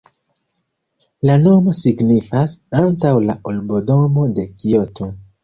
La nomo signifas "antaŭ la urbodomo de Kioto".